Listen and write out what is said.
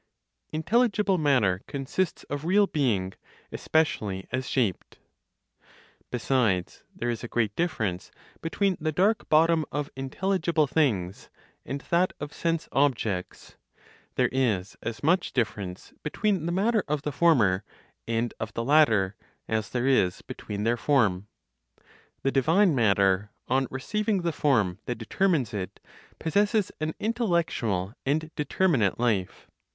INTELLIGIBLE MATTER CONSISTS OF REAL BEING, ESPECIALLY AS SHAPED. Besides, there is a great difference between the dark bottom of intelligible things and that of sense objects; there is as much difference between the matter of the former and of the latter as there is between their form. The divine matter, on receiving the form that determines it, possesses an intellectual and determinate life.